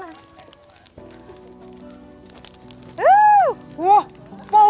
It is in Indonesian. aku kok takut ya takut panas